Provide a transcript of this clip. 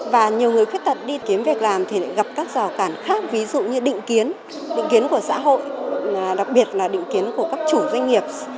và nhiều người khuyết tật đi kiếm việc làm thì gặp các rào cản khác ví dụ như định kiến định kiến của xã hội đặc biệt là định kiến của các chủ doanh nghiệp